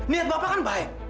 niat bapak kan baik